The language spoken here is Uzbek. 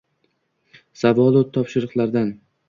savolu topildiqlaridan.